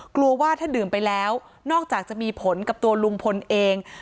กลัวว่าถ้าดื่มไปแล้วนอกจากจะมีผลกับตัวลุงพลเอง